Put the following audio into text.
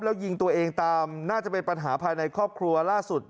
แล้วยิงตัวเองตามน่าจะเป็นปัญหาภายในครอบครัวล่าสุด